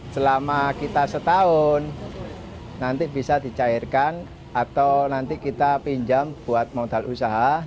selama kita setahun nanti bisa dicairkan atau nanti kita pinjam buat modal usaha